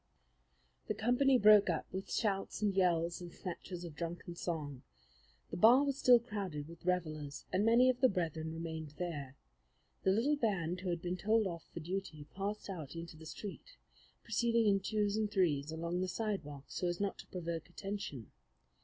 The company broke up with shouts and yells and snatches of drunken song. The bar was still crowded with revellers, and many of the brethren remained there. The little band who had been told off for duty passed out into the street, proceeding in twos and threes along the sidewalk so as not to provoke attention.